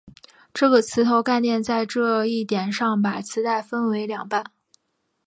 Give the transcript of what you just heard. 这个磁头概念上在这一点上把磁带分为两半。